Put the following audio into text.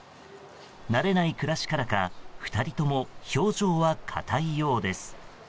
慣れない暮らしからか２人とも表情は硬いようです。